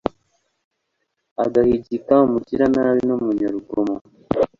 agahigika umugiranabi n'umunyarugomo